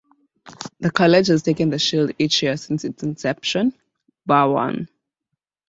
The college has taken the shield each year since its inception, bar one.